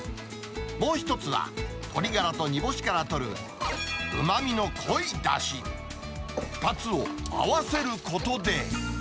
もう１つは、鶏ガラと煮干しからとる、うまみの濃いだし。２つを合わせることで。